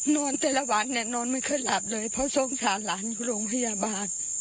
นอนแต่ละวันทนั้นนอนไม่เคยหลับเลยเพราะโทษข่าวหลานอยู่โรงพยาบาท